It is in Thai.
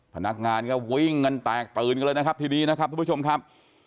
พนักงานก็วิ่งกันแตกตื่นกันเลยนะครับทีนี้นะครับทุกผู้ชมครับ